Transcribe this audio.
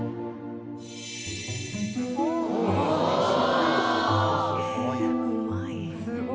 すごい。